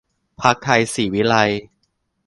พรรคไทยศรีวิไลย์